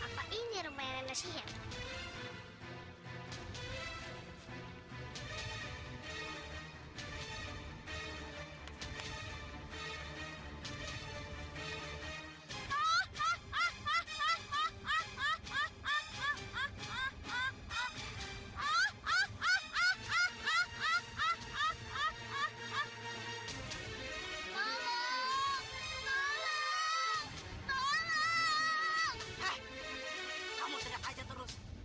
kamu teriak aja terus